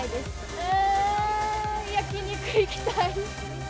うーん、焼き肉行きたい。